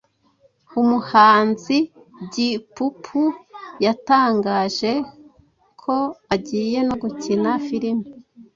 Umuhanzi giupuupu yatangajeko agiye nogukina filime